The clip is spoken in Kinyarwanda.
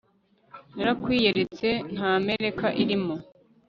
narakwiyeretse nta mbereka irimo